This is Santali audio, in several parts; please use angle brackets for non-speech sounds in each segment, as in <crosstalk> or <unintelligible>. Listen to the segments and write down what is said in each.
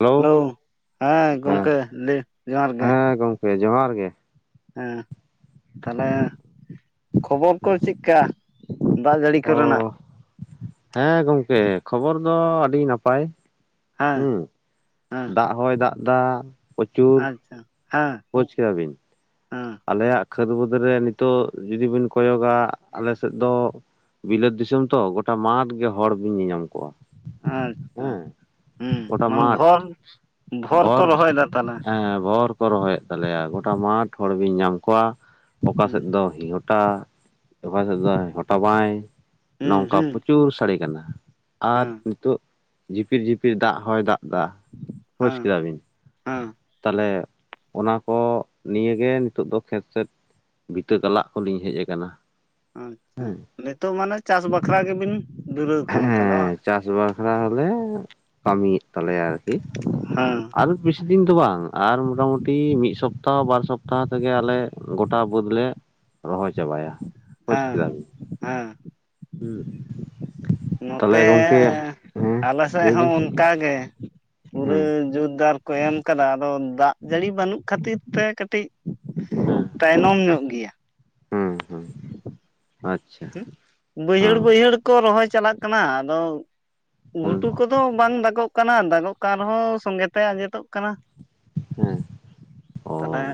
ᱦᱮᱞᱳ ᱦᱮᱞᱳᱣ ᱦᱮ ᱦᱮᱸ ᱜᱚᱢᱠᱮ ᱞᱟᱹᱭ ᱡᱚᱦᱟᱨ ᱜᱮ᱾ ᱦᱮᱸ ᱜᱚᱢᱠᱮ ᱡᱚᱦᱟᱨ ᱜᱮ᱾ ᱦᱮᱸ ᱛᱟᱦᱞᱮ ᱠᱷᱚᱵᱚᱨ ᱠᱚ ᱪᱮᱫᱠᱟ? ᱫᱟᱜ ᱡᱟᱹᱲᱤ ᱚ ᱠᱚᱨᱮᱱᱟᱜ᱾ ᱦᱮᱸ ᱜᱚᱝᱠᱮ ᱠᱷᱚᱵᱚᱨ ᱫᱚ ᱟᱹᱰᱤ ᱱᱟᱯᱟᱭ᱾ ᱦᱟᱸ ᱦᱟᱸ ᱟᱦᱚᱭ ᱫᱟᱜ ᱫᱟ᱾ ᱟᱪᱪᱷᱟ ᱦᱟᱸ ᱵᱩᱡ ᱠᱮᱫᱟ ᱵᱤᱱ᱾ ᱦᱩᱸ ᱟᱞᱮᱭᱟᱜ ᱠᱷᱟᱹᱫᱽ ᱵᱟᱹᱫᱽ ᱨᱮ ᱱᱤᱛᱚᱜ ᱡᱩᱫᱤ ᱵᱤᱱ ᱠᱚᱭᱚᱜᱟ ᱟᱞᱮ ᱥᱮᱫ ᱫᱚ ᱵᱤᱞᱟᱹᱛ ᱫᱤᱥᱚᱢ ᱛᱚ, ᱜᱳᱴᱟ ᱢᱟᱴ ᱜᱮ ᱦᱚᱲ ᱵᱤᱱ ᱧᱮᱧᱟᱢ ᱠᱚᱣᱟ ᱟᱪᱪᱷᱟ ᱦᱮᱸ ᱦᱩᱸ ᱜᱚᱴᱟ ᱢᱟᱱᱮ ᱢᱟᱴᱷ ᱵᱷᱚᱨ ᱠᱚ ᱵᱷᱚᱨ ᱨᱚᱦᱚᱭᱮᱫᱟ ᱛᱟᱦᱚᱞᱮ ᱮ ᱵᱷᱚᱨ ᱠᱚ ᱨᱚᱦᱚᱭᱮᱫ ᱛᱟᱞᱮᱭᱟ ᱜᱚᱴᱟ ᱢᱟᱴᱷ ᱦᱚᱲ ᱵᱤᱱ ᱧᱟᱢ ᱠᱚᱣᱟ ᱚᱠᱟ ᱦᱩᱸ ᱥᱮᱫ ᱫᱚ ᱦᱤᱦᱩᱴ ᱴᱟ ᱚᱠᱟ ᱥᱮᱫ ᱫᱚ ᱦᱚᱴᱟ ᱵᱟᱭ ᱦᱩᱸ ᱱᱚᱝᱠᱟ ᱦᱩᱸ ᱯᱨᱚᱪᱩᱨ ᱥᱟᱹᱲᱮ ᱠᱟᱱᱟ᱾ ᱟᱨ ᱦᱮᱸ ᱱᱤᱛᱚᱜ ᱡᱷᱤᱯᱤᱨ ᱡᱷᱤᱯᱤᱨ ᱫᱟᱜ ᱦᱚᱭ ᱫᱟᱜ᱾ ᱫᱟ ᱵᱩᱡᱽ ᱦᱮᱸ ᱠᱮᱫᱟ ᱵᱤᱱ ᱦᱮᱸ ᱛᱟᱦᱚᱞᱮ ᱚᱱᱟ ᱠᱚ ᱱᱤᱭᱟᱹ ᱜᱮ ᱱᱤᱛᱚᱜ ᱫᱚ ᱠᱷᱮᱛ ᱥᱮᱫ ᱵᱤᱛᱟᱹ ᱠᱟᱞᱟᱜ ᱠᱚᱞᱤᱧ ᱦᱮᱡ ᱠᱟᱱᱟ᱾ ᱟᱪᱪᱷᱟ ᱱᱤᱛᱳᱜ ᱢᱟᱱᱮ ᱪᱟᱥ ᱵᱟᱠᱷᱨᱟ ᱜᱮᱵᱤᱱ, ᱫᱷᱩᱨᱟᱹᱶ ᱠᱟᱱᱟ ᱛᱟᱦᱚᱞᱮ ᱵᱟᱝ? ᱦᱮᱸ ᱪᱟᱥ ᱵᱟᱠᱷᱨᱟ ᱦᱚᱞᱮ ᱠᱟᱹᱢᱤᱭᱮᱫ ᱛᱟᱞᱮᱭᱟ ᱟᱨᱠᱤ᱾ ᱦᱩᱸ ᱟᱨ ᱵᱮᱥᱤ ᱫᱤᱱ ᱫᱚ ᱵᱟᱝ ᱟᱨ ᱢᱚᱴᱟᱢᱩᱴᱤ ᱢᱤᱫ ᱥᱚᱯᱛᱟᱦᱚ ᱵᱟᱨ ᱥᱚᱯᱛᱟᱦᱚ ᱛᱮᱜᱮ ᱟᱞᱮ ᱜᱚᱴᱟ ᱵᱟᱹᱫᱽ ᱞᱮ ᱨᱚᱦᱚᱭ ᱪᱟᱵᱟᱭᱟ᱾ ᱵᱩᱡᱽ ᱦᱮᱸ ᱠᱮᱫᱟ ᱵᱤᱱ ᱦᱮᱸ ᱦᱩᱸ ᱛᱟᱦᱚᱞᱮ ᱱᱚᱛᱮ ᱜᱚᱝᱠᱮ ᱦᱮᱸ ᱟᱞᱮ ᱥᱮᱫ ᱞᱟᱹᱭ ᱦᱚᱸ ᱵᱤᱱ ᱚᱱᱠᱟᱜᱮ ᱯᱩᱨᱟᱹ ᱦᱮᱸ ᱡᱳᱛᱫᱟᱨ ᱠᱚ ᱮᱢ ᱠᱟᱫᱟ ᱟᱫᱚ ᱫᱟᱜ ᱡᱟᱹᱲᱤ ᱵᱟᱹᱱᱩᱜ ᱠᱷᱟᱹᱛᱤᱨ ᱛᱮ ᱠᱟᱹᱴᱤᱜ ᱛᱟᱭᱱᱚᱢ ᱧᱚᱜ ᱜᱮᱭᱟ᱾ ᱦᱩᱸ ᱦᱩᱸ ᱦᱩᱸ ᱵᱟᱹᱭᱦᱟᱹᱲ ᱦᱮᱸ ᱵᱟᱹᱭᱦᱟᱹᱲ ᱠᱚ ᱨᱚᱦᱚᱭ ᱪᱟᱞᱟᱜ ᱠᱟᱱᱟ, ᱟᱫᱚ ᱦᱩᱸ ᱜᱷᱩᱴᱩ ᱠᱚᱫ ᱫᱚ ᱵᱟᱝ ᱫᱟᱜᱚᱜ ᱠᱟᱱᱟ ᱫᱟᱜᱚᱜ ᱠᱟᱱ ᱨᱮᱦᱚᱸ ᱥᱚᱸᱜᱮᱛᱮ ᱟᱸᱡᱮᱫᱚᱜ ᱠᱟᱱᱟ᱾ ᱦᱩᱸ ᱛᱟᱦᱞᱮ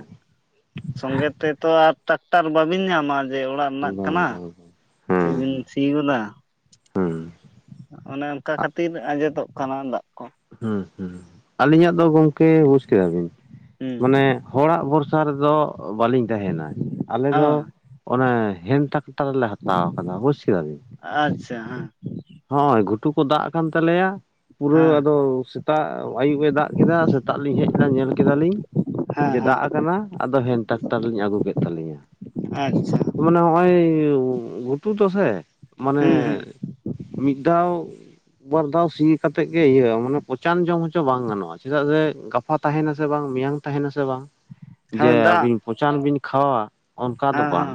ᱥᱚᱸᱜᱮ ᱛᱮᱛᱚ ᱟᱨ ᱴᱟᱠᱴᱟᱨ ᱵᱟᱹᱵᱤᱱ ᱧᱟᱢᱟ ᱡᱮ ᱚᱲᱟᱜ ᱨᱮᱱᱟᱜ ᱵᱟᱝ ᱵᱟᱝ ᱠᱟᱱᱟ᱾ ᱵᱟᱝ ᱪᱮᱫ ᱵᱤᱱ ᱥᱤ ᱜᱚᱫᱟ᱾ ᱦᱩᱸ ᱚᱱᱮ ᱚᱱᱠᱟ ᱠᱷᱟᱹᱛᱤᱨ ᱟᱸᱡᱮᱫᱚᱜ ᱠᱟᱱᱟ ᱫᱟᱜ ᱠᱚ᱾ ᱦᱩᱸ ᱦᱩᱸ ᱟᱹᱞᱤᱧᱟᱜ ᱫᱚ ᱜᱚᱝᱠᱮ ᱵᱩᱡᱽ ᱠᱮᱫᱟ ᱵᱤᱱ ᱦᱩᱸ ᱢᱟᱱᱮ ᱦᱚᱲᱟᱜ ᱵᱷᱚᱨᱥᱟ ᱨᱮᱫᱚ ᱵᱟᱹᱞᱤᱧ ᱛᱟᱦᱮᱱᱟ ᱟᱞᱮ ᱫᱚ ᱦᱮᱸ ᱚᱱᱟ ᱦᱮᱱᱛᱟ ᱴᱟᱨᱞᱮ ᱦᱟᱛᱟᱣ ᱠᱟᱫᱟ ᱵᱩᱡ ᱠᱮᱫᱟ ᱵᱮᱱ᱾ ᱟᱪᱪᱷᱟ ᱦᱮᱸ ᱦᱚᱸᱜᱼᱚᱭ ᱜᱷᱩᱴᱩ ᱠᱚ ᱫᱟᱜ ᱠᱟᱱ ᱛᱟᱞᱮᱭᱟ ᱯᱩᱨᱟᱹ ᱟᱫᱚ ᱥᱮᱛᱟᱜ ᱟᱹᱭᱩᱵ ᱮ ᱫᱟᱜ ᱠᱮᱫᱟ ᱥᱮᱛᱟᱜ ᱞᱤᱧ ᱦᱮᱡ ᱮᱱᱟ ᱧᱮᱞ ᱠᱮᱫᱟᱞᱤᱧ ᱦᱮᱸ ᱦᱮᱸ ᱡᱮ ᱦᱮᱸ ᱫᱟᱜ ᱟᱠᱟᱱᱟ ᱟᱫᱚ ᱦᱮᱱ ᱴᱟᱠᱴᱟᱨ ᱞᱤᱧ ᱟᱹᱜᱩ ᱠᱮᱫ ᱛᱟᱹᱞᱤᱧᱟ ᱟᱪᱪᱷᱟ ᱱᱚᱜᱼᱚᱭ ᱜᱷᱩᱴᱩ ᱫᱚ ᱥᱮ ᱢᱟᱱᱮ ᱦᱩᱸ ᱦᱩᱸ ᱢᱤᱫ ᱫᱷᱟᱣ ᱵᱟᱨ ᱫᱷᱟᱣ ᱥᱤ ᱠᱟᱛᱮᱫ ᱜᱮ ᱤᱭᱟᱹ ᱢᱟᱱᱮ ᱯᱚᱪᱟᱱ ᱡᱚᱢ ᱦᱚᱪᱚ ᱵᱟᱝ ᱜᱟᱱᱚᱜᱼᱟ ᱪᱮᱫᱟᱜ ᱡᱮ ᱜᱟᱯᱟ ᱛᱟᱦᱮᱱᱟ ᱥᱮ ᱵᱟᱝ ᱢᱮᱭᱟᱝ ᱛᱟᱦᱮᱱᱟ ᱥᱮ ᱵᱟᱝ ᱡᱮ ᱦᱮᱸ ᱫᱟᱜ ᱟᱹᱵᱤᱱ ᱯᱚᱪᱟᱱ ᱵᱤᱱ ᱠᱷᱟᱣᱟᱣᱟ ᱚᱱᱠᱟ ᱫᱚ ᱦᱮᱸ ᱵᱟᱝ ᱦᱮᱸ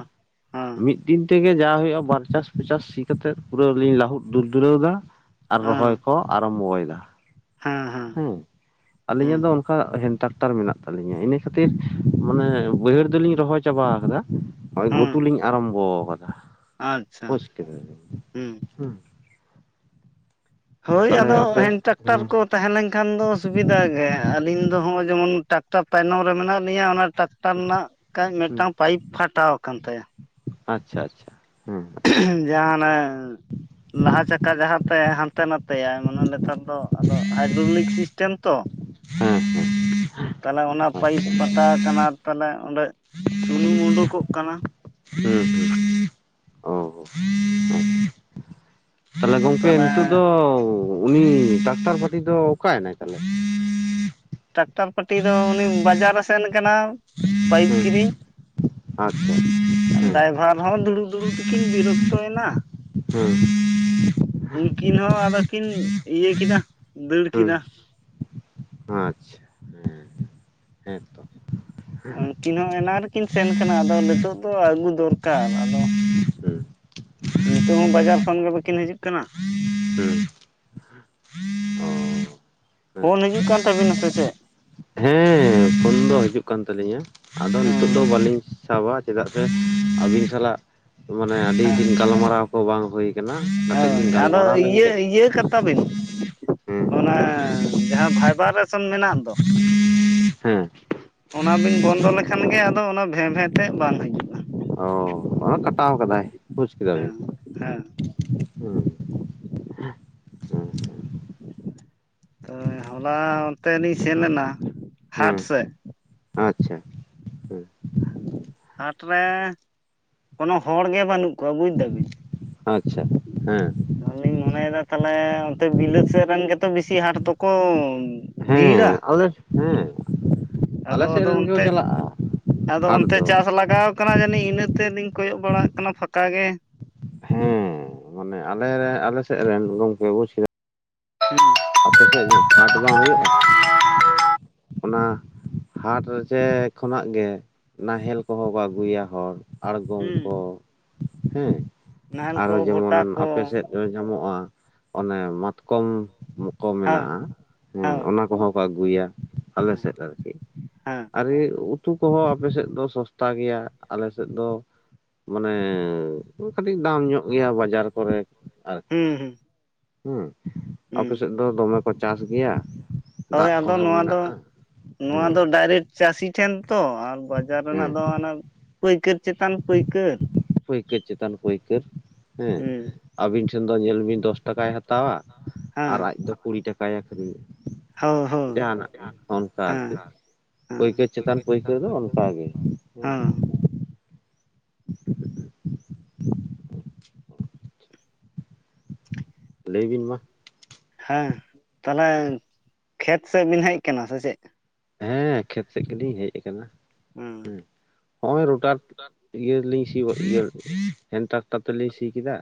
ᱦᱮᱸ ᱢᱤᱫ ᱢᱤᱫ ᱫᱤᱱ ᱛᱮᱜᱮ ᱡᱟ ᱦᱩᱭᱩᱜᱼᱟ ᱵᱟᱨ ᱪᱟᱥ ᱯᱚᱪᱟᱥ ᱥᱤ ᱠᱟᱛᱮᱜ ᱯᱩᱨᱟᱹ ᱞᱤᱧ ᱞᱟᱹᱦᱩᱫ ᱫᱩᱞ ᱫᱩᱞᱟᱹᱣ ᱮᱫᱟ ᱟᱨ ᱦᱮᱸ ᱨᱚᱦᱚᱭ ᱠᱚ ᱟᱨᱟᱢᱵᱷᱚᱭᱮᱫᱟ ᱦᱮᱸ ᱦᱮᱸ ᱦᱩᱸ ᱦᱩᱸ ᱟᱞᱤᱧᱟᱜ ᱫᱚ ᱚᱱᱠᱟ ᱦᱮᱱ ᱴᱟᱠᱴᱟᱨ ᱢᱮᱱᱟᱜ ᱛᱟᱹᱞᱤᱧᱟ ᱤᱱᱟᱹ ᱠᱷᱟᱹᱛᱤᱨ ᱢᱟᱱᱮ ᱵᱟᱹᱭᱦᱟᱹᱲ ᱫᱚᱞᱤᱧ ᱨᱚᱦᱚᱭ ᱪᱟᱵᱟ ᱟᱠᱟᱫᱟ ᱱᱚᱜᱼᱚᱭ ᱜᱷᱩᱴᱩ ᱦᱩᱸ ᱞᱤᱧ ᱟᱨᱟᱢᱵᱷᱚ ᱟᱠᱟᱫᱟ ᱟᱪᱪᱷᱟ ᱵᱩᱡᱽ ᱠᱮᱫᱟ ᱵᱤᱱ ᱦᱩᱸ ᱦᱮᱸ ᱦᱳᱭ ᱛᱟᱦᱚᱞᱮ ᱟᱫᱚ ᱟᱯᱮ ᱦᱮᱱ ᱴᱨᱟᱠᱴᱟᱨ ᱦᱮᱸ ᱠᱚ ᱛᱟᱦᱮᱸ ᱞᱮᱱᱠᱷᱟᱱ ᱫᱚ ᱥᱩᱵᱤᱫᱟ ᱜᱮ ᱟᱹᱞᱤᱧ ᱫᱚ ᱦᱚᱸ ᱡᱮᱢᱚᱱ ᱴᱟᱠᱴᱟᱨ ᱛᱟᱭᱱᱚᱢ ᱨᱮ ᱢᱮᱱᱟᱜ ᱞᱤᱧᱟᱹ ᱚᱱᱟ ᱴᱟᱠᱼ ᱼᱴᱟᱨ ᱨᱮᱱᱟᱜ ᱠᱟᱡ ᱦᱮᱸ ᱢᱤᱫᱴᱟᱝ ᱯᱟᱭᱤᱯ ᱯᱷᱟᱴᱟᱣ ᱟᱠᱟᱱ ᱛᱟᱭᱟ ᱟᱪᱪᱷᱟ ᱟᱪᱪᱷᱟ ᱦᱮᱸᱸ ᱡᱟᱦᱟᱸ ᱦᱟᱱᱮ ᱞᱟᱦᱟ ᱪᱟᱠᱟ ᱡᱟᱦᱟᱸᱛᱮ ᱦᱟᱱᱛᱮ ᱱᱟᱛᱮᱭᱟᱭ ᱢᱟᱱᱮ ᱱᱮᱛᱟᱨ ᱫᱚ ᱟᱫᱚ ᱦᱟᱭᱰᱨᱳᱚᱞᱤᱠ ᱥᱤᱥᱴᱮᱢ ᱛᱚ ᱦᱮᱸ ᱦᱮᱸ ᱛᱟᱦᱚᱞᱮ ᱚᱱᱟ ᱯᱟᱭᱤᱯ ᱯᱷᱟᱴᱟᱣ ᱟᱠᱟᱱᱟ ᱛᱟᱦᱞᱮ ᱚᱸᱰᱮ ᱥᱩᱱᱩᱢ ᱩᱰᱩᱠᱚᱜ ᱠᱟᱱᱟ ᱦᱩᱸ ᱦᱩᱸ <unintelligible> ᱛᱟᱦᱞᱮ ᱜᱚᱝᱠᱮ ᱛᱟᱦᱚᱞᱮ ᱱᱤᱛᱚᱜ ᱫᱚ ᱩᱱᱤ ᱴᱟᱠᱴᱟᱨ ᱯᱟᱴᱤ ᱫᱚ ᱚᱠᱟᱭᱮᱱᱟᱭ ᱛᱟᱦᱚᱞᱮ? ᱴᱟᱠᱴᱟᱨ ᱯᱟᱴᱤ ᱫᱚ ᱩᱱᱤ ᱵᱟᱡᱟᱨᱮ ᱥᱮᱱ ᱠᱟᱱᱟ ᱯᱟᱭᱤᱯ ᱦᱮᱸ ᱠᱤᱨᱤᱧ ᱟᱪᱪᱷᱟ ᱦᱮᱸ ᱰᱟᱭᱵᱷᱟᱨ ᱦᱚᱸ ᱫᱩᱲᱩᱵ ᱫᱩᱲᱩᱵ ᱠᱤᱱ ᱵᱤᱨᱠᱛᱚᱭ ᱱᱟ ᱦᱮᱸ ᱩᱱᱠᱤᱱ ᱦᱚᱸ ᱟᱫᱚ ᱠᱤᱱ ᱤᱭᱟᱹ ᱠᱮᱫᱟ ᱫᱟᱹᱲ ᱦᱮᱸ ᱠᱮᱫᱟ ᱟᱪᱪᱷᱟ ᱦᱮᱸ ᱦᱮᱸᱛᱚ ᱩᱱᱠᱤᱱ ᱦᱚᱸ ᱮᱱᱟᱝ ᱨᱮᱠᱤᱱ ᱥᱮᱱ ᱠᱟᱱᱟ ᱟᱫᱚ ᱱᱤᱛᱳᱜ ᱫᱚ ᱟᱹᱜᱩ ᱫᱚᱨᱠᱟᱨ ᱟᱫᱚ ᱦᱮᱸ ᱱᱤᱛᱚᱜ ᱦᱚᱸ ᱵᱟᱡᱟᱨ ᱠᱷᱚᱱ ᱜᱮ ᱵᱟᱹᱠᱤᱱ ᱦᱤᱡᱩᱜ ᱠᱟᱱᱟ ᱦᱮᱸ ᱚ ᱦᱮᱸ ᱯᱷᱳᱱ ᱦᱤᱡᱩᱜ ᱠᱟᱱ ᱛᱟᱹᱵᱤᱱᱟ ᱥᱮ ᱪᱮᱫ? ᱦᱮᱸ ᱯᱷᱳᱱ ᱫᱚ ᱦᱤᱡᱩᱜ ᱠᱟᱱ ᱛᱟᱹᱞᱤᱧᱟ ᱾ ᱟᱫᱚ ᱱᱤᱛᱳᱜ ᱫᱚ ᱦᱮᱸ ᱵᱟᱹᱞᱤᱧ ᱥᱟᱵᱟ ᱪᱮᱫᱟᱜ ᱥᱮ ᱟᱹᱵᱤᱱ ᱥᱟᱞᱟᱜ ᱢᱟᱱᱮ ᱟᱹᱰᱤ ᱫᱤᱱ ᱜᱟᱞᱢᱟᱨᱟᱣ ᱠᱚ ᱵᱟᱝ ᱦᱩᱭ ᱠᱟᱱᱟ ᱠᱟᱹᱴᱤᱡ ᱦᱳᱭ ᱞᱤᱧ ᱟᱫᱚ ᱜᱟᱞᱢᱟᱨᱟᱣ ᱤᱭᱟᱹ ᱞᱮᱱᱜᱮ ᱤᱭᱟᱹ ᱠᱟᱛᱟ ᱵᱤᱱ ᱦᱮᱸ ᱚᱱᱟ ᱡᱟᱦᱟᱸ ᱵᱷᱟᱭᱵᱟᱨᱮᱥᱚᱱ ᱢᱮᱱᱟᱜ ᱫᱚ <unintelligible> ᱦᱮᱸ ᱚᱱᱟ ᱵᱤᱱ ᱵᱚᱱᱫᱚ ᱞᱮᱠᱷᱟᱱ ᱜᱮ ᱟᱫᱚ ᱚᱱᱟ ᱵᱷᱮᱸ ᱵᱷᱮᱸ ᱛᱮᱫ ᱵᱟᱝ ᱦᱤᱡᱩᱜᱼᱟ ᱚ ᱚᱱᱟ ᱠᱟᱴᱟᱣ ᱟᱠᱟᱫᱟᱭ ᱵᱩᱡᱽ ᱠᱮᱫᱟᱵᱮᱱ ᱦᱮᱸ ᱾ ᱦᱮᱸ ᱦᱮᱸ ᱛᱳ ᱦᱚᱞᱟ ᱚᱱᱛᱮ ᱞᱤᱧ ᱥᱮᱱ ᱞᱮᱱᱟ ᱦᱟᱴ ᱦᱮᱸ ᱥᱮᱫ ᱟᱪᱪᱷᱟ ᱦᱮᱸ ᱦᱟᱴ ᱨᱮ ᱠᱳᱱᱳ ᱦᱚᱲ ᱜᱮ ᱵᱟᱹᱱᱩᱜ ᱠᱚᱣᱟ ᱵᱩᱡ ᱫᱟᱵᱤᱱ ᱟᱪᱪᱷᱟ ᱦᱮᱸ ᱟᱞᱤᱧ ᱢᱚᱱᱮᱭᱮᱫᱟ ᱛᱟᱦᱚᱞᱮ ᱚᱱᱛᱮ ᱵᱤᱞᱟᱹᱛ ᱥᱮᱫ ᱨᱮᱱ ᱜᱮᱛᱚ ᱵᱤᱥᱤ ᱦᱟᱴ ᱫᱚᱠᱚ ᱵᱷᱤᱲᱟ ᱦᱮᱸ ᱦᱮᱸ ᱟᱫᱚ ᱟᱞᱮ ᱥᱮᱫ ᱟᱫᱚ ᱨᱮᱱ ᱜᱮᱠᱚ ᱚᱱᱛᱮ ᱪᱟᱞᱟᱜᱼᱟ ᱟᱫᱚ ᱦᱟᱴ ᱚᱱᱛᱮ ᱫᱚ ᱪᱟᱥ ᱞᱟᱜᱟᱣ ᱠᱟᱱᱟ ᱡᱟᱹᱱᱤᱡ ᱤᱱᱟᱹ ᱛᱮᱞᱤᱧ ᱠᱚᱭᱚᱜ ᱵᱟᱲᱟᱜ ᱠᱟᱱᱟ ᱯᱷᱟᱸᱠᱟ ᱜᱮ, ᱦᱮᱸ ᱢᱟᱱᱮ ᱟᱞᱮ ᱨᱮ ᱟᱞᱮ ᱥᱮᱫ ᱨᱮᱱ ᱜᱚᱝᱠᱮ ᱵᱩᱪ ᱠᱮ <unintelligible> ᱟᱯᱮ ᱥᱮᱫ ᱦᱚᱸ ᱦᱟᱴ ᱵᱟᱝ ᱦᱩᱭᱩᱜᱼᱟ? ᱚᱱᱟ ᱦᱟᱴ ᱨᱮ ᱪᱮ ᱠᱷᱚᱱᱟᱜ ᱜᱮ ᱱᱟᱦᱮᱞ ᱠᱚᱦᱚᱸ ᱠᱚ ᱟᱹᱜᱩᱭᱟ ᱦᱚᱲ᱾ ᱟᱲᱜᱚᱢ ᱦᱩᱸ ᱠᱚ ᱦᱮᱸ ᱱᱟᱦᱮᱞ ᱟᱨᱚ ᱠᱚ ᱡᱮᱢᱚᱱ ᱵᱷᱩᱴᱟ ᱠᱚ ᱟᱯᱮ ᱥᱮᱫ ᱧᱟᱢᱚᱜᱼᱟ ᱚᱱᱮ ᱢᱟᱛᱠᱚᱢ ᱠᱚ ᱦᱮᱸ ᱢᱮᱱᱟᱜᱼᱟ, ᱦᱮᱸ ᱦᱳᱭ ᱚᱱᱟ ᱠᱚᱦᱚᱸ ᱟᱹᱜᱩᱭᱟ ᱟᱞᱮ ᱥᱮᱫ ᱟᱨᱠᱤ ᱦᱮᱸ ᱟᱨ ᱩᱛᱩ ᱠᱚᱦᱚᱸ ᱟᱯᱮ ᱥᱮᱫ ᱫᱚ ᱥᱚᱥᱛᱟ ᱜᱮᱭᱟ, ᱟᱞ ᱥᱮᱫ ᱫᱚ ᱢᱟᱱᱮ ᱠᱟᱹᱴᱤᱡ ᱫᱟᱢ ᱧᱚᱜ ᱜᱮᱭᱟ ᱵᱟᱡᱟᱨ ᱠᱚᱨᱮ ᱟᱨᱠᱤ ᱦᱩᱸ ᱦᱩᱸ ᱦᱮᱸ ᱦᱩᱸ ᱟᱯᱮ ᱥᱮᱫ ᱫᱚ ᱫᱚᱢᱮ ᱠᱚ ᱪᱟᱥ ᱜᱮᱭᱟ᱾ ᱦᱳᱭ ᱫᱟᱜ ᱟᱫᱚ ᱠᱚᱦᱚᱸ ᱱᱚᱣᱟ ᱫᱚ ᱢᱮᱱᱟᱜᱼᱟ ᱱᱚᱣᱟ ᱦᱮᱸ ᱫᱚ ᱰᱟᱭᱨᱮᱠᱴ ᱪᱟᱹᱥᱤ ᱴᱷᱮᱱ ᱛᱚ ᱟᱨ ᱵᱟᱡᱟᱨ ᱦᱮᱸ ᱨᱮᱱᱟᱜ ᱫᱚ ᱦᱟᱱᱮ ᱯᱟᱹᱭᱠᱟᱹᱨ ᱪᱮᱛᱟᱱ ᱯᱟᱹᱭᱠᱟᱹᱨ, ᱯᱟᱹᱭᱠᱟᱹᱨ ᱪᱮᱛᱟᱱ ᱯᱟᱹᱭᱠᱟᱹᱨ ᱦᱮᱸ ᱟᱵᱤᱱ ᱴᱷᱮᱱ ᱫᱚ ᱧᱮᱞ ᱵᱤᱱ ᱫᱚᱥ ᱴᱟᱠᱟᱭ ᱦᱟᱛᱟᱣᱟ ᱟᱨ ᱦᱮᱸ ᱟᱡ ᱫᱚ ᱠᱩᱲᱤ ᱴᱟᱠᱟᱭ ᱟᱹᱷᱨᱤᱧᱟ᱾ ᱦᱳ ᱦᱳ ᱡᱟᱦᱟᱸᱱᱟᱜ ᱜᱮ ᱚᱱᱠᱟ ᱟᱨᱠᱤ ᱦᱮᱸ ᱯᱟᱹᱭᱠᱟᱹᱨ ᱪᱮᱛᱟᱱ ᱯᱟᱹᱭᱠᱟᱹᱨ ᱫᱚ ᱚᱱᱠᱟᱜ ᱜᱮ᱾ ᱦᱮᱸ ᱞᱟᱹᱭ ᱵᱤᱱ ᱢᱟ᱾ ᱦᱮᱸ ᱛᱟᱦᱚᱞᱮ ᱠᱷᱮᱛ ᱥᱮᱫ ᱵᱤᱱ ᱦᱮᱡ ᱟᱠᱟᱱᱟ ᱥᱮ ᱪᱮᱫ? ᱦᱮᱸ ᱠᱷᱮᱛ ᱥᱮᱫ ᱜᱮ ᱞᱤᱧ ᱦᱮᱡ ᱟᱠᱟᱱᱟ, ᱦᱮᱸ ᱦᱚᱜᱼᱚᱭ ᱨᱚᱴᱟᱨ <unintelligible> ᱤᱭᱟᱹ ᱨᱮᱞᱤᱧ ᱥᱤ ᱤᱭᱟᱹ ᱦᱮᱱ ᱴᱨᱟᱠᱴᱟᱨ ᱛᱮᱞᱤᱧ ᱥᱤ ᱠᱮᱫᱟ᱾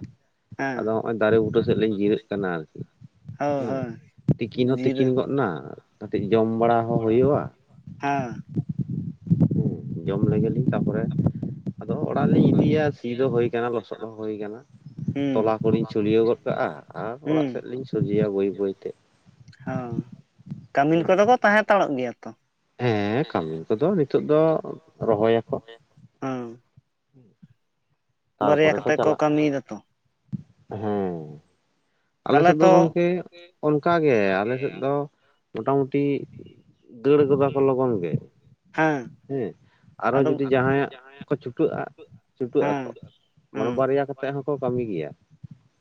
ᱦᱮᱸ ᱟᱫᱚ ᱱᱚᱜ ᱚᱚᱭ ᱫᱟᱨᱮ ᱵᱩᱴᱟᱹ ᱥᱮᱫ ᱞᱤᱧ ᱡᱤᱨᱟᱹᱜ ᱠᱟᱱᱟ ᱟᱨᱠᱤ᱾ ᱦᱳᱭ ᱦᱮᱸ ᱦᱳᱭ ᱛᱤᱠᱤᱱ ᱦᱚᱸ ᱡᱤᱨᱟᱹ ᱛᱤᱠᱤᱱ ᱜᱚᱫ ᱮᱱᱟ ᱠᱟᱹᱴᱤᱡ ᱡᱚᱢ ᱵᱟᱲᱟ ᱦᱚᱸ ᱦᱩᱭᱩᱜᱼᱟ᱾ ᱦᱮᱸ ᱡᱚᱢ ᱞᱮᱜᱮ ᱞᱤᱧ ᱛᱟᱯᱚᱨᱮ ᱟᱫᱚ ᱚᱲᱟᱜ ᱞᱤᱧ ᱤᱫᱤᱭᱟ ᱥᱤ ᱫᱚ ᱦᱩᱭ ᱟᱠᱟᱱᱟ ᱞᱚᱥᱚᱫ ᱦᱚᱸ ᱦᱩᱭ ᱟᱠᱟᱱᱟ᱾ ᱦᱩᱸ ᱛᱚᱞᱟ ᱠᱚ ᱞᱤᱧ ᱪᱷᱩᱲᱭᱟᱹᱣ ᱜᱚᱫ ᱠᱟᱜᱼᱟ ᱟᱨ ᱚᱲᱟᱜ ᱥᱮᱫ ᱞᱤᱧ ᱥᱚᱡᱷᱮᱭᱟ ᱵᱟᱹᱭ ᱵᱟᱹᱭ ᱛᱮ᱾ ᱦᱮᱸ ᱠᱟᱹᱢᱤᱱ ᱠᱚᱫᱚ ᱠᱚ ᱛᱟᱦᱮᱸ ᱦᱟᱛᱟᱲᱚᱜ ᱜᱮᱭᱟ ᱛᱚ? ᱦᱮᱸ ᱠᱟᱹᱢᱤᱱ ᱠᱚᱫᱚ ᱱᱤᱛᱚᱜ ᱫᱚ ᱨᱚᱦᱚᱭᱟ ᱠᱚ᱾ ᱦᱮᱸ ᱵᱟᱨᱭᱟ ᱛᱟᱨᱯᱚᱨᱮ ᱠᱚ ᱠᱟᱛᱮ ᱪᱟᱞᱟᱜᱼᱟ, ᱠᱟᱹᱢᱤᱭᱮᱫᱟ ᱛᱚ ᱦᱮᱸ ᱟᱞᱮ ᱛᱟᱦᱚᱞᱮ ᱥᱮᱫ ᱫᱚ ᱛᱚ ᱜᱚᱢᱠᱮ ᱚᱱᱠᱟᱜᱮ ᱟᱞᱮ ᱥᱮᱫ ᱫᱚ ᱢᱳᱴᱟᱢᱩᱴᱤ ᱫᱟᱹᱲ ᱜᱚᱫᱟ ᱠᱚ ᱞᱚᱜᱚᱱ ᱜᱮ ᱦᱮᱸ᱾ ᱟᱨᱚ ᱟᱫᱚ ᱡᱩᱫᱤ ᱡᱟᱦᱟᱸᱭᱟᱜ ᱠᱚ ᱪᱷᱩᱴᱟᱹᱜᱼᱟ ᱪᱷᱩᱴᱟᱹᱜ ᱟᱠᱚ᱾ ᱦᱮᱸ ᱢᱟᱱᱮ ᱦᱮᱸ ᱵᱟᱨᱭᱟ ᱠᱟᱛᱮᱫ ᱦᱚᱸᱠᱚ ᱠᱟᱹᱢᱤ ᱜᱮᱭᱟ᱾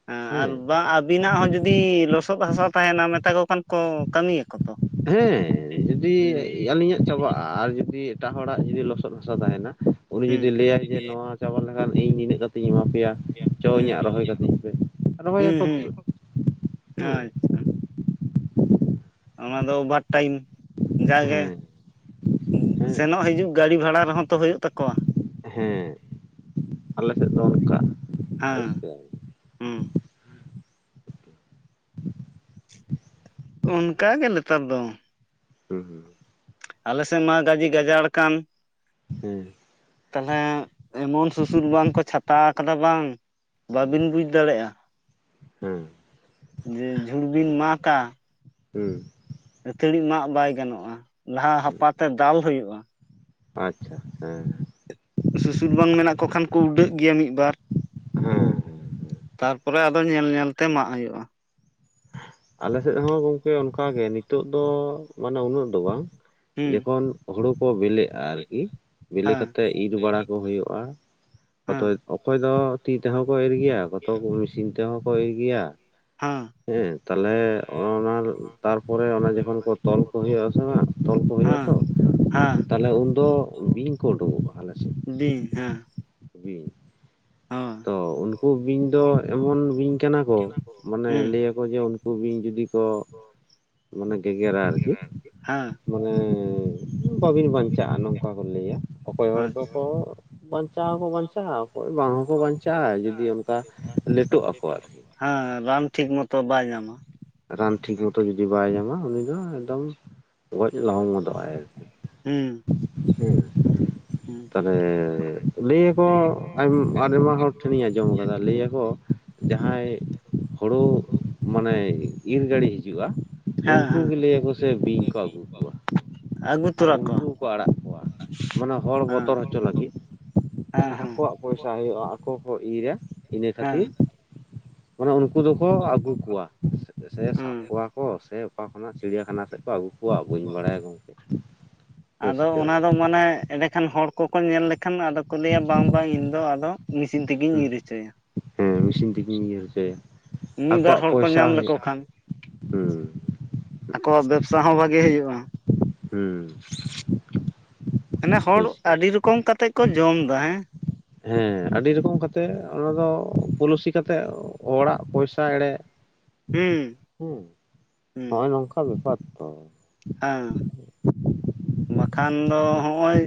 ᱦᱮᱸ ᱟᱨ ᱵᱟᱝ ᱟᱹᱵᱤᱱᱟᱜ ᱦᱚᱸ ᱡᱩᱫᱤ ᱞᱚᱥᱚᱫ ᱦᱟᱥᱟ ᱛᱟᱦᱮᱱᱟ ᱢᱮᱛᱟ ᱠᱚ ᱠᱟᱱ ᱠᱚ ᱠᱟᱹᱢᱤᱭᱟ ᱠᱚ? ᱦᱮᱸ ᱡᱩᱫᱤ ᱟᱹᱞᱤᱧᱟᱜ ᱪᱟᱵᱟᱜᱼᱟ᱾ ᱟᱨ ᱡᱩᱫᱤ ᱮᱴᱟᱜ ᱦᱚᱲᱟᱜ ᱡᱩᱫᱤ ᱞᱚᱥᱚᱫ ᱦᱟᱥᱟ ᱛᱟᱦᱮᱱᱟ ᱩᱱᱤ ᱦᱩᱸ ᱡᱩᱫᱤ ᱞᱟᱹᱭᱟᱭ ᱡᱮ ᱱᱚᱣᱟ ᱪᱟᱵᱟ ᱞᱮᱠᱷᱟᱱ ᱤᱧ ᱱᱤᱱᱟᱹᱜ ᱠᱟᱛᱮᱧ ᱮᱢᱟ ᱯᱮᱭᱟ᱾ ᱪᱚ ᱦᱩᱸ ᱤᱧᱟᱹᱜ ᱨᱚᱦᱚᱭ ᱠᱟᱹᱛᱤᱧ ᱯᱮ ᱨᱚᱦᱚᱭᱟ᱾ ᱦᱩᱸ ᱠᱚ ᱦᱩᱸ ᱦᱮᱸ ᱟᱪᱪᱷᱟ ᱚᱱᱟ ᱫᱚ ᱚᱵᱷᱟᱨ ᱴᱟᱭᱤᱢ ᱡᱟᱜᱮ᱾ ᱦᱮᱸ ᱦᱮᱸ ᱥᱮᱱᱚᱜ ᱦᱤᱡᱩᱜ ᱜᱟᱹᱰᱤ ᱵᱷᱟᱲᱟ ᱨᱮᱦᱚᱸ ᱛᱚ ᱦᱩᱭᱩᱜ ᱛᱟᱠᱚᱣᱟ᱾ ᱦᱮᱸ ᱟᱞᱮ ᱥᱮᱫ ᱫᱚ ᱚᱱᱠᱟ ᱵᱩᱡ ᱦᱮᱸ ᱠᱮᱫᱟᱵᱤᱱ? ᱦᱩᱸ ᱚᱱᱠᱟᱜᱮ ᱱᱮᱛᱟᱨ ᱫᱚ᱾ ᱦᱩᱸ ᱦᱩᱸ ᱟᱞᱮᱥᱮᱫ ᱢᱟ ᱜᱟᱹᱡᱮ ᱜᱟᱡᱟᱲ ᱟᱠᱟᱱᱟ᱾ ᱦᱮᱸ ᱛᱟᱞᱦᱮ ᱮᱢᱚᱱ ᱥᱩᱥᱩᱨ ᱵᱟᱱᱠᱚ ᱪᱷᱟᱛᱟ ᱟᱠᱟᱫᱟ ᱵᱟᱝ ᱵᱟᱹᱵᱤᱱ ᱵᱩᱡ ᱫᱟᱲᱮᱭᱟᱜᱼᱟ ᱦᱮᱸ ᱡᱮ ᱡᱷᱩᱲ ᱵᱤᱱ ᱢᱟᱜᱼᱟ ᱦᱮᱸ ᱟᱹᱛᱷᱟᱹᱲᱤ ᱢᱟᱜ ᱵᱟᱭ ᱜᱟᱱᱚᱜᱼᱟ ᱞᱟᱦᱟ ᱦᱟᱯᱟ ᱛᱮ ᱫᱟᱞ ᱦᱩᱭᱩᱜᱼᱟ ᱟᱪᱪᱷᱟ ᱦᱮᱸ ᱥᱩᱥᱩᱨ ᱵᱟᱱ ᱢᱮᱱᱟᱜ ᱠᱚ ᱠᱷᱟᱱ ᱠᱚ ᱩᱰᱟᱹᱜ ᱜᱮᱭᱟ ᱢᱤᱫ ᱵᱟᱨ ᱦᱮᱸ ᱦᱮᱸ ᱛᱟᱨᱯᱚᱨᱮ ᱟᱫᱚ ᱧᱮᱞ ᱧᱮᱞᱛᱮ ᱢᱟᱜ ᱦᱩᱭᱩᱜᱼᱟ ᱟᱞᱮᱥᱮᱫ ᱦᱚᱸ ᱜᱚᱝᱠᱮ ᱚᱱᱠᱟᱜᱮ ᱱᱤᱛᱚᱜ ᱫᱚ ᱢᱟᱱᱮ ᱩᱱᱟᱹᱜ ᱫᱚ ᱵᱟᱝ ᱦᱩᱸ ᱡᱚᱠᱷᱚᱱ ᱦᱩᱲᱩ ᱠᱚ ᱵᱤᱞᱤᱜᱼᱟ ᱟᱨᱠᱤ ᱵᱮᱞᱮ ᱦᱮᱸ ᱠᱟᱛᱮᱫ ᱤᱨ ᱵᱟᱲᱟ ᱠᱚ ᱦᱩᱭᱩᱜᱼᱟ ᱦᱮᱸ ᱚᱛᱚᱭ ᱚᱠᱚᱭ ᱫᱚ ᱛᱤ ᱛᱮᱦᱚᱸ ᱠᱚ ᱮᱨ ᱜᱮᱭᱟ ᱠᱚᱛᱚ ᱢᱮᱥᱤᱱ ᱛᱮᱦᱚᱸ ᱠᱚ ᱤᱨ ᱜᱮᱭᱟ ᱦᱮᱸ ᱛᱟᱦᱚᱞᱮ ᱚᱱᱟ ᱛᱟᱨᱯᱚᱨᱮ ᱚᱱᱟ ᱡᱚᱠᱷᱚᱱ ᱠᱚ ᱛᱚᱞ ᱠᱚ ᱦᱩᱭᱩᱜᱼᱟᱥᱮ ᱵᱟᱝ ᱛᱚᱞ ᱠᱚ ᱦᱩᱭᱩᱜᱼᱟ ᱛᱚ ᱛᱟᱦᱚᱞᱮ ᱩᱱᱫᱚ ᱵᱤᱧ ᱠᱚ ᱩᱰᱩᱠᱚᱜᱼᱟ ᱟᱞᱮᱥᱮ ᱵᱤᱧ ᱦᱮᱸ ᱵᱤᱧ ᱛᱚ ᱩᱱᱠᱩ ᱵᱤᱧ ᱫᱚ ᱮᱢᱚᱱ ᱵᱤᱧ ᱠᱟᱱᱟ ᱠᱚ ᱢᱟᱱᱮ ᱞᱟᱹᱭᱟᱠᱚ ᱡᱮ ᱠᱩ ᱵᱤᱧ ᱡᱩᱫᱤ ᱠᱚ ᱢᱟᱱᱮ ᱜᱮᱜᱮᱨᱟ ᱟᱨᱠᱤ ᱢᱟᱱᱮ ᱵᱟᱹᱵᱤᱱ ᱵᱟᱧᱪᱟᱜᱼᱟ ᱱᱚᱝᱠᱟ ᱠᱚ ᱞᱟᱹᱭᱟ ᱚᱠᱚᱭ ᱦᱚᱲ ᱫᱚᱠᱚ ᱵᱟᱧᱪᱟᱣ ᱦᱚᱸᱠᱚ ᱵᱟᱧᱪᱟᱜᱼᱟ ᱚᱠᱚᱭ ᱵᱟᱝ ᱦᱚᱸᱠᱚ ᱵᱟᱧᱪᱟᱜᱼᱟ ᱡᱩᱫᱤ ᱚᱱᱠᱟ ᱞᱮᱴᱚᱜ ᱟᱠᱚ ᱟᱨᱠᱤ ᱦᱮᱸ ᱨᱟᱱ ᱴᱷᱤᱠ ᱢᱚᱛᱚ ᱵᱟᱭ ᱧᱟᱢᱟ ᱨᱟᱱ ᱴᱷᱤᱠ ᱢᱚᱛᱚ ᱡᱩᱫᱤ ᱵᱟᱭ ᱧᱟᱢᱟ ᱩᱱᱤ ᱫᱚ ᱮᱠᱫᱚᱢ ᱜᱚᱡ ᱞᱚᱦᱚᱢ ᱜᱚᱫᱚᱜ ᱟᱭ ᱟᱨᱠᱤ ᱦᱩᱸ ᱦᱮᱸ ᱦᱩᱸ ᱛᱟᱦᱚᱞᱮ ᱞᱟᱹᱭ ᱟᱠᱚ ᱟᱭᱢᱟ ᱦᱚᱲ ᱴᱷᱮᱱᱤᱧ ᱟᱸᱡᱚᱢ ᱠᱟᱫᱟ ᱞᱟᱹᱭ ᱟᱠᱚ ᱡᱟᱦᱟᱸᱭ ᱦᱩᱲᱩ ᱢᱟᱱᱮ ᱤᱨ ᱜᱟᱹᱲᱤ ᱦᱤᱡᱩᱜᱼᱟ ᱦᱮᱸ ᱩᱱᱠᱩ ᱦᱮᱸ ᱜᱮ ᱞᱟᱹᱭᱟᱠᱚ ᱥᱮ ᱵᱤᱧ ᱠᱚ ᱟᱹᱜᱩ ᱠᱚᱣᱟ ᱟᱹᱜᱩ ᱟᱨ ᱛᱚᱨᱟ ᱩᱱᱠᱩ ᱠᱚᱣᱟ ᱦᱚᱸᱠᱚ ᱟᱲᱟᱜ ᱠᱚᱣᱟ ᱢᱟᱱᱮ ᱦᱚᱲ ᱦᱮᱸ ᱵᱚᱛᱚᱨ ᱦᱚᱪᱚ ᱞᱟᱹᱜᱤᱫ ᱦᱮᱸ ᱢᱟᱱᱮ ᱦᱮᱸ ᱟᱠᱚᱣᱟᱜ ᱯᱚᱭᱥᱟ ᱦᱩᱭᱩᱜᱼᱟ ᱟᱠᱚ ᱠᱚ ᱤᱨᱟ ᱤᱱᱟᱹ ᱦᱮᱸ ᱠᱷᱟᱹᱛᱤᱨ ᱢᱟᱱᱮ ᱩᱱᱠᱩ ᱫᱚᱠᱚ ᱟᱹᱜᱩ ᱠᱚᱣᱟ ᱥᱮ ᱥᱟᱵ ᱦᱩᱸ ᱠᱚᱣᱟ ᱠᱚ ᱥᱮ ᱚᱠᱟ ᱠᱷᱚᱱᱟᱜ ᱪᱤᱲᱤᱭᱟᱠᱷᱟᱱᱟ ᱥᱮᱫ ᱠᱚ ᱟᱹᱜᱩ ᱠᱚᱣᱟ ᱵᱟᱹᱧ ᱵᱟᱲᱟᱭᱟ ᱜᱚᱝᱠᱮ <inaudible> ᱟᱫᱚ ᱚᱱᱟ ᱫᱚ ᱢᱟᱱᱮ ᱮᱸᱰᱮᱠᱷᱟᱱ ᱦᱚᱲ ᱠᱚᱠᱚ ᱧᱮᱞ ᱞᱮᱠᱷᱟᱱ ᱟᱫᱚ ᱠᱚ ᱞᱟᱹᱭᱟ ᱵᱟᱝ ᱵᱟᱝ ᱤᱧ ᱫᱚ ᱟᱫᱚ ᱢᱮᱥᱤᱱ ᱛᱮᱜᱮᱧ ᱦᱩᱸ ᱤᱨᱤᱪᱚᱭᱟ ᱦᱮᱸ ᱢᱮᱥᱤᱱ ᱛᱮᱜᱤᱧ ᱤᱭᱟᱹ ᱦᱚᱪᱚᱭᱟ ᱢᱤᱫ ᱵᱟᱨ ᱟᱠᱚᱣᱟᱜ ᱦᱚᱲ ᱠᱚ ᱯᱚᱭᱥᱟ ᱧᱟᱢ ᱞᱮᱠᱚ ᱦᱩᱭᱩᱜ ᱠᱷᱟᱱ ᱦᱩᱸ᱾ ᱟᱠᱚᱣᱟᱜ ᱵᱮᱵᱽᱥᱟ ᱦᱚᱸ ᱵᱷᱟᱜᱤ ᱦᱩᱭᱩᱜ-ᱟ᱾ ᱦᱩᱸ᱾ ᱢᱟᱱᱮ ᱦᱚᱲ ᱵᱩᱡᱽ ᱠᱮᱫᱟ ᱟᱰᱤ ᱨᱚᱠᱚᱢ ᱠᱟᱛᱮᱜ ᱠᱚ ᱡᱚᱢ ᱫᱟ ᱦᱮᱸ᱾ ᱦᱮᱸ ᱟᱰᱤ ᱨᱚᱠᱚᱢ ᱠᱟᱛᱮᱜ ᱚᱱᱟ ᱫᱚ ᱯᱚᱞᱩᱥᱤ ᱠᱟᱛᱮᱜ ᱦᱚᱲᱟᱜ ᱯᱚᱭᱥᱟ ᱮᱲᱮᱼᱼ ᱦᱩᱸ ᱦᱮᱸ ᱦᱩᱸ ᱦᱚᱸᱜ-ᱚᱭ ᱱᱚᱝᱠᱟ ᱵᱮᱯᱟᱨ ᱛᱚ᱾ ᱦᱮᱸ ᱵᱟᱠᱷᱟᱱ ᱫᱚ ᱦᱚᱜᱼᱚᱸᱭᱼᱼ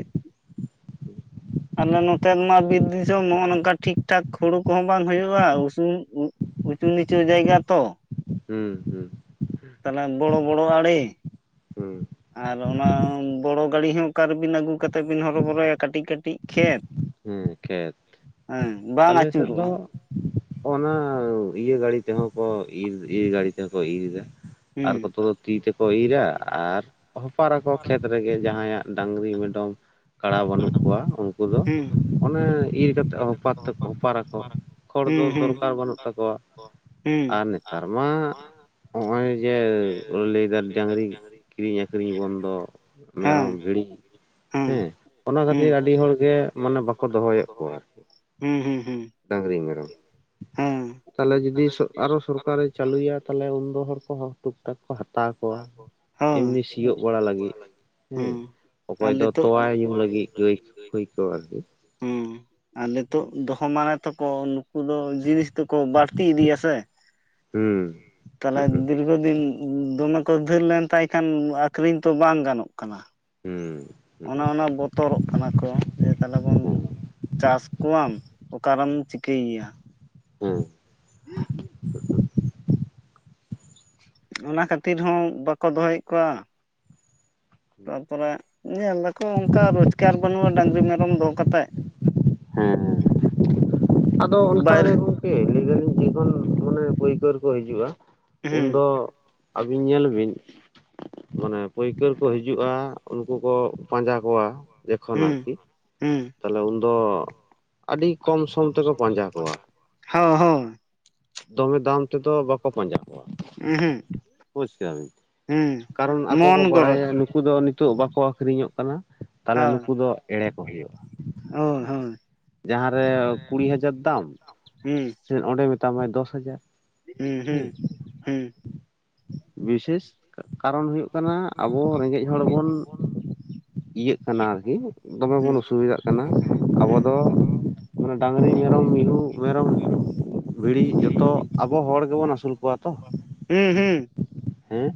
ᱟᱞᱮ ᱱᱚᱛᱮ ᱢᱟ ᱵᱤᱨ ᱫᱤᱥᱚᱢ ᱱᱚᱜ-ᱚ ᱱᱚᱝᱠᱟ ᱴᱷᱤᱠ ᱴᱷᱟᱠ ᱦᱩᱲᱩ ᱠᱩᱦᱚᱸ ᱵᱟᱝ ᱦᱩᱭᱩᱜ-ᱟ ᱩᱥᱩᱞ ᱩᱼᱼ ᱩᱪᱩ ᱱᱤᱪᱩ ᱡᱟᱭᱜᱟ ᱛᱚ᱾ ᱦᱩᱸ ᱦᱩᱸ᱾ ᱛᱟᱦᱚᱞᱮ ᱵᱚᱲᱚ ᱵᱚᱲᱚ ᱟᱲᱤ᱾ ᱦᱩᱸ᱾ ᱟᱨ ᱚᱱᱟ ᱚᱸᱻ ᱵᱚᱲᱚ ᱜᱟᱲᱤ ᱦᱚᱸ ᱚᱠᱟ ᱨᱮᱵᱤᱱ ᱟᱹᱜᱩ ᱠᱟᱛᱮᱜ ᱵᱤᱱ ᱦᱚᱨᱚ ᱵᱚᱨᱚᱭᱟ ᱠᱟᱹᱴᱤᱡ ᱠᱟᱹᱴᱤᱡ ᱠᱷᱮᱛ᱾ ᱦᱮᱸ ᱠᱷᱮᱛ ᱦᱮᱸ ᱵᱟᱝ ᱟᱞᱮ ᱥᱮᱜ ᱫᱚᱼᱼ ᱟᱹᱪᱩᱨᱚᱜᱼᱟ ᱚᱱᱟ ᱤᱭᱟᱹ ᱜᱟᱲᱤ ᱛᱮᱦᱚᱸ ᱠᱚ ᱤᱨ ᱤᱨ ᱜᱟᱹᱲᱤ ᱛᱮᱦᱚᱸ ᱠᱚ ᱤᱨ ᱫᱟ᱾ ᱟᱨ ᱠᱚ ᱦᱩᱸ ᱛᱚ ᱫᱚ ᱛᱤ ᱛᱮᱠᱚ ᱤᱨᱟ ᱟᱨ ᱦᱚᱯᱟᱨᱟ ᱠᱚ ᱠᱷᱮᱛ ᱨᱮᱜᱮ ᱡᱟᱦᱟᱸ ᱭᱟᱜ ᱰᱟᱝᱜᱽᱨᱤ ᱢᱮᱰᱚᱢᱼᱼ ᱠᱟᱲᱟ ᱵᱟᱹᱱᱩᱜ ᱠᱚᱣᱟ ᱩᱱᱠᱩ ᱫᱚᱼᱼ ᱦᱩᱸ ᱚᱱᱮ ᱤᱨ ᱠᱟᱛᱮᱜ ᱦᱚᱯᱟᱛ ᱛᱟᱠᱚ ᱦᱚᱯᱟᱨᱟ ᱠᱚ ᱠᱷᱚᱲ ᱦᱩᱸ ᱫᱚ ᱦᱩᱸ ᱫᱚᱨᱠᱟᱨ ᱵᱟᱱᱩᱜ ᱛᱟᱠᱚᱣᱟ᱾ <unintelligible> ᱦᱩᱸ᱾ ᱟᱨ ᱱᱮᱛᱟᱨ ᱢᱟ ᱼᱼ ᱦᱚᱸᱜᱼᱚᱭ ᱡᱮ ᱞᱟᱹᱭ ᱫᱟ ᱰᱟᱝᱨᱤ ᱠᱤᱨᱤᱧ ᱟᱹᱠᱷᱨᱤᱧ ᱵᱚᱱᱫᱚ᱾ ᱦᱮᱸ ᱢᱮᱨᱚᱢ ᱵᱷᱤᱲᱤ ᱦᱮᱸ ᱚᱱᱟ ᱠᱷᱟᱹᱛᱤᱨ ᱟᱰᱤ ᱦᱚᱲ ᱜᱮ ᱢᱟᱱᱮ ᱵᱟᱠᱚ ᱫᱚᱦᱚᱭᱮᱜ ᱠᱚᱣᱟ ᱟᱨᱼᱼ ᱦᱩᱸ ᱦᱩᱸ ᱦᱩᱸ᱾ ᱰᱟᱹᱝᱨᱤ ᱢᱮᱨᱚᱢ ᱾ ᱦᱮᱸ ᱛᱟᱦᱚᱞᱮ ᱡᱩᱫᱤ ᱥᱚ ᱟᱨᱚ ᱥᱚᱨᱠᱟᱨᱮ ᱪᱟᱞᱩᱭᱟ ᱛᱟᱦᱚᱞᱮ ᱩᱱᱫᱚ ᱦᱚᱲ ᱠᱚᱦᱚᱸᱼᱼ ᱴᱩᱠ ᱴᱟᱠ ᱠᱚ ᱦᱟᱛᱟᱣ ᱠᱚᱣᱟ ᱦᱳᱭ ᱮᱢᱱᱤ ᱥᱤᱭᱳᱜ ᱵᱟᱲᱟ ᱞᱟᱜᱤᱜ᱾ ᱦᱮᱸ ᱦᱩᱸ ᱟᱨ ᱚᱠᱚᱭ ᱫᱚ ᱱᱤᱛᱚᱜ ᱛᱚᱣᱟᱭ ᱧᱩ ᱛᱚᱣᱟ ᱞᱟᱹᱜᱤᱜ ᱜᱟᱹᱭ ᱞᱟᱹᱜᱤᱫ ᱯᱷᱟᱹᱭ ᱠᱚ ᱟᱨᱠᱤ᱾ ᱦᱩᱸ ᱟᱨ ᱱᱤᱛᱚᱜ ᱫᱚᱦᱚ ᱢᱟᱱᱮ ᱛᱮᱠᱚ ᱱᱩᱠᱩ ᱫᱚ ᱡᱤᱱᱤᱥ ᱫᱚᱠᱚ ᱵᱟᱲᱛᱤ ᱤᱫᱤᱭᱟ ᱥᱮᱼᱼ ᱦᱩᱸ᱾ ᱛᱟᱞᱦᱮᱼᱼ ᱦᱩᱸ ᱫᱤᱨᱜᱷᱚ ᱫᱤᱱ ᱫᱚᱢᱮ ᱠᱚ ᱫᱷᱟᱹᱨ ᱞᱮᱱ ᱛᱟᱭ ᱠᱷᱟᱱ ᱟᱠᱷᱨᱤᱧ ᱛᱚ ᱵᱟᱝ ᱜᱟᱱᱚᱜ ᱠᱟᱱᱟ᱾ ᱦᱩᱸ᱾ ᱚᱱᱟ ᱦᱩᱸ ᱚᱱᱟ ᱵᱚᱛᱚᱨᱚᱜᱼᱼ ᱠᱟᱱᱟ ᱠᱚ ᱡᱮ ᱛᱟᱦᱚᱞᱮ ᱵᱚᱱ ᱦᱩᱸ ᱪᱟᱥ ᱠᱚᱣᱟᱢ ᱚᱠᱟᱨᱮᱢ ᱪᱤᱠᱟᱹᱭ ᱭᱟ᱾ ᱦᱮᱸ᱾ ᱦᱩᱸ᱾ ᱚᱱᱟ ᱠᱷᱟᱹᱛᱤᱨ ᱦᱚᱸ ᱵᱟᱠᱚ ᱫᱚᱦᱚᱭᱮᱜ ᱠᱚᱣᱟ᱾ ᱛᱟᱨᱯᱚᱨᱮ ᱧᱮᱞ ᱫᱟᱠᱚ ᱚᱱᱠᱟ ᱨᱳᱡᱽᱜᱟᱨ ᱵᱟᱹᱱᱩᱜ-ᱟ ᱰᱟᱹᱝᱨᱤ ᱢᱮᱨᱚᱢ ᱫᱚᱦᱚ ᱠᱟᱛᱮᱜ᱾ ᱦᱮᱸ ᱦᱮᱸ ᱟᱫᱚ ᱚᱱᱠᱟ ᱵᱟᱭᱨᱮ ᱜᱮ ᱠᱚᱼᱼ ᱠᱮ ᱞᱟᱹᱭ ᱫᱟᱹᱞᱤᱧ ᱡᱮᱠᱷᱚᱱ ᱢᱟᱱᱮ ᱯᱟᱹᱭᱠᱟᱹᱨᱤ ᱠᱚ ᱦᱤᱡᱩᱜ-ᱟ ᱩᱱ ᱦᱩᱸ ᱫᱚᱼᱼ ᱟᱹᱵᱤᱱ ᱧᱮᱞ ᱵᱤᱱᱼᱼ ᱢᱟᱱᱮ ᱯᱟᱹᱭᱠᱟᱹᱨ ᱠᱚ ᱦᱤᱡᱩᱜ-ᱟ ᱩᱱᱠᱩ ᱠᱚ ᱯᱟᱸᱡᱟ ᱠᱚᱣᱟ᱾ ᱡᱮᱠᱷᱚᱱ ᱟᱨ ᱦᱩᱸ ᱠᱤ ᱦᱩᱸ ᱛᱟᱦᱚᱞᱮ ᱩᱱᱫᱚᱼᱼ ᱟᱰᱤ ᱠᱚᱢ ᱥᱚᱢ ᱛᱮᱠᱚ ᱯᱟᱸᱡᱟ ᱠᱚᱣᱟ, ᱦᱳᱭ ᱦᱳᱭ ᱫᱚᱢᱮ ᱫᱟᱢ ᱛᱮᱫᱚ ᱵᱟᱠᱼᱼ ᱠᱚ ᱯᱟᱸᱡᱟ ᱠᱚᱣᱟ ᱦᱩᱸ ᱵᱩᱡᱽ ᱠᱮᱫᱟ ᱵᱤᱱ᱾ ᱦᱮᱸ ᱠᱟᱨᱚᱱ ᱟᱠᱚ ᱠᱚ ᱢᱚᱱ ᱜᱚᱨᱚᱡ ᱵᱟᱲᱟᱭᱟ ᱦᱳᱭ ᱱᱩᱠᱩ ᱫᱚ ᱱᱤᱛᱚᱜ ᱵᱟᱠᱚ ᱟᱠᱷᱨᱤᱧᱚᱜ ᱠᱟᱱᱟ᱾ ᱛᱟᱦᱚᱞᱮ ᱱᱩᱠᱩ ᱫᱚ ᱮᱲᱮ ᱠᱚ ᱦᱩᱭᱩᱜ-ᱟ᱾ ᱦᱚᱭ ᱦᱚᱭ᱾ ᱡᱟᱦᱟᱸ ᱨᱮ ᱠᱩᱲᱤ ᱦᱟᱡᱟᱨ ᱫᱟᱢ ᱦᱩᱸ ᱦᱮᱸ ᱚᱸᱰᱮ ᱢᱮᱛᱟ ᱢᱟᱭ ᱫᱚᱥ ᱦᱟᱡᱟᱨ᱾ ᱩᱸ ᱦᱩᱸ ᱦᱮᱸ ᱦᱩᱸ ᱾ ᱵᱤᱥᱮᱥ ᱠᱟᱨᱚᱱ ᱦᱩᱭᱩᱜ ᱠᱟᱱᱟ ᱟᱵᱚ ᱨᱮᱸᱜᱮᱡ ᱦᱚᱲ ᱵᱚᱱ ᱤᱭᱟᱹᱜ ᱠᱟᱱᱟ ᱟᱨᱠᱤ ᱫᱚᱢᱮ ᱦᱩᱸ ᱦᱩᱸ ᱵᱚᱱ ᱚᱥᱩᱼᱼ ᱵᱤᱫᱟᱜ ᱠᱟᱱᱟ ᱟᱵᱚ ᱫᱚ ᱰᱟᱝᱨᱤ ᱢᱮᱨᱚᱢ ᱢᱤᱦᱩ ᱢᱮᱨᱚᱢ ᱵᱷᱤᱲᱤ ᱡᱚᱛᱚ ᱟᱵᱚ ᱦᱚᱲ ᱜᱮᱵᱚᱱ ᱟᱹᱥᱩᱞ ᱠᱚᱣᱟ ᱛᱚ ᱦᱩᱸ ᱦᱩᱸ ᱦᱮᱸ